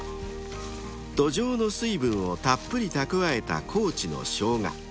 ［土壌の水分をたっぷり蓄えた高知のショウガ］